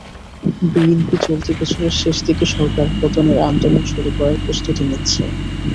BNP চলতি বছরের শেষ দিকে সরকার পতনের আন্দোলন শুরু করার প্রস্তুতি নিচ্ছে।